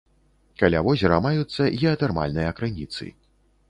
Каля возера маюцца геатэрмальныя крыніцы.